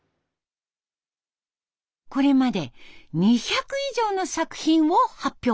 これまで２００以上の作品を発表。